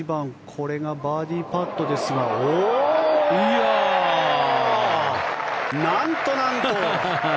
これがバーディーパットですが何と何と！